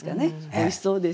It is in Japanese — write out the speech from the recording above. おいしそうです。